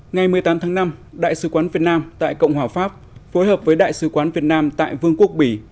ngày một mươi tám tháng năm đại sứ quán việt nam tại cộng hòa pháp phối hợp với đại sứ quán việt nam tại vương quốc bỉ